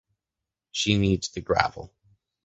She needs the gravel.